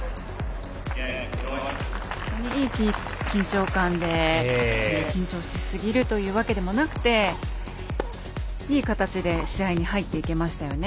いい緊張感で緊張しすぎるというわけでもなくいい形で試合に入っていけましたよね。